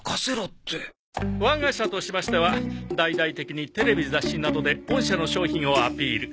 我が社としましては大々的にテレビ雑誌などで御社の商品をアピール。